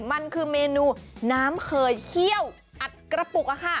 มันคือเมนูน้ำเคยเคี่ยวอัดกระปุก